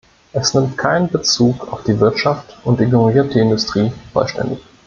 Es nimmt keinen Bezug auf die Wirtschaft und ignoriert die Industrie vollständig.